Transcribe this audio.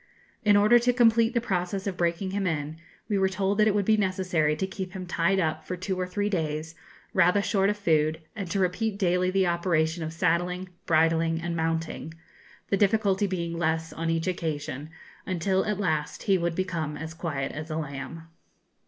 In order to complete the process of breaking him in, we were told that it would be necessary to keep him tied up for two or three days, rather short of food, and to repeat daily the operation of saddling, bridling, and mounting, the difficulty being less on each occasion, until at last he would become as quiet as a lamb.